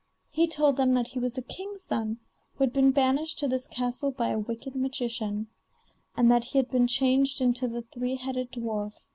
He told them that he was a king's son, who had been banished to this castle by a wicked magician, and that he had been changed into the three headed dwarf.